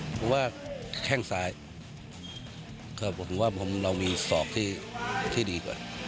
เพราะว่าแข้งซ้ายผมว่าเรามีศอกที่ดีกว่า